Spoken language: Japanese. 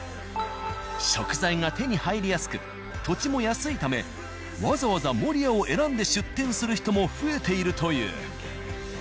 食材が手に入りやすく土地も安いためわざわざ守谷を選んで出店する人も増えているという。